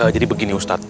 jadi begini ustaz